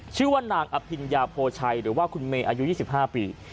ชื่อว่านางอภิญญาโพชัยหรือว่าคุณเมย์อายุ๒๕ปี